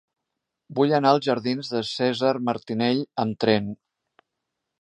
Vull anar als jardins de Cèsar Martinell amb tren.